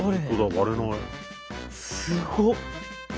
すごっ！